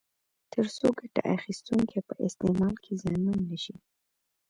ترڅو ګټه اخیستونکي په استعمال کې زیانمن نه شي.